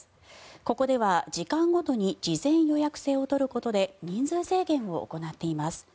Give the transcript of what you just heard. ここでは時間ごとに事前予約制を取ることで人数制限を行っています。